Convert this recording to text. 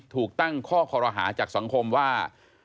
ถูกตั้งข้อคอรหาจากสังคมว่า